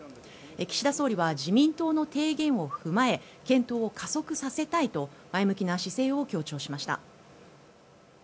岸田総理は自民党の提言を踏まえ検討を加速させたいと前向きな姿勢を強調しました。